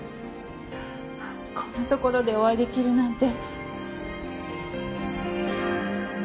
こんな所でお会いできるなんて。